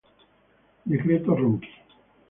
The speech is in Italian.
Decreto Ronchi